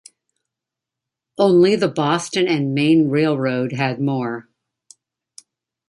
Only the Boston and Maine Railroad had more.